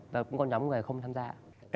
và cũng có nhóm người không tham gia